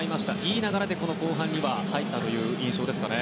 いい流れで後半に入ったという印象ですかね。